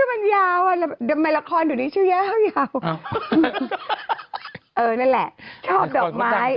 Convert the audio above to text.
อะไรเนี่ย